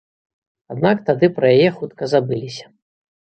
Аднак тады пра яе хутка забыліся.